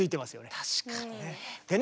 確かにね。